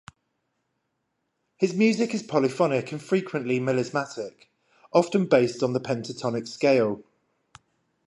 His music is polyphonic and frequently melismatic, often based on the pentatonic scale.